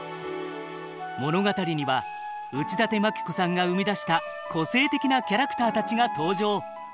物語には内館牧子さんが生み出した個性的なキャラクターたちが登場。